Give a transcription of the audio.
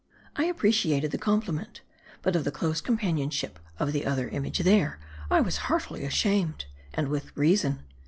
I appreciated the compliment. But of the close compan ionship of the other image there, I was heartily ashamed. And with reason.